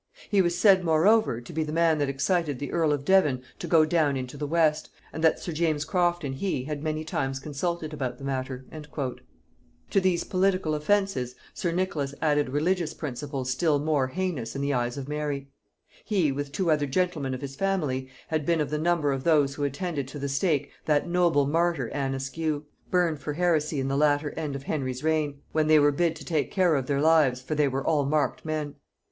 "He was said moreover to be the man that excited the earl of Devon to go down into the West, and that sir James Croft and he had many times consulted about the whole matter." [Note 24: Strype's Ecclesiastical Memorials.] To these political offences, sir Nicholas added religious principles still more heinous in the eyes of Mary. He, with two other gentlemen of his family, had been of the number of those who attended to the stake that noble martyr Anne Askew, burned for heresy in the latter end of Henry's reign; when they were bid to take care of their lives, for they were all marked men.